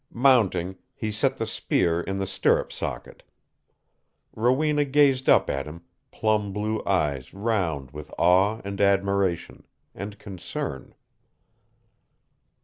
Mounting, he set the spear in the stirrup socket. Rowena gazed up at him, plum blue eyes round with awe and admiration and concern.